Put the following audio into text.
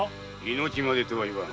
命までもとは言わん。